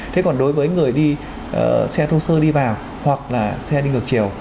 thế còn đối với người đi xe thô sơ đi vào hoặc là xe đi ngược chiều